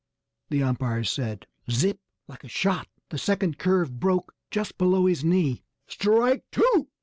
the umpire said. Zip! Like a shot, the second curve broke just below his knee "Strike two!"